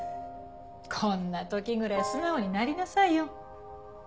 こんな時ぐらい素直になりなさいよ。